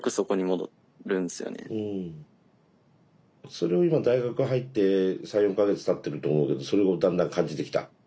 それを今大学入って３４か月たってると思うけどそれをだんだん感じてきた？